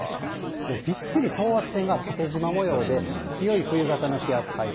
びっしり等圧線が縦じま模様で、強い冬型の気圧配置。